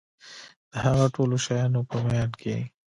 د هغه ټولو شیانو په میان کي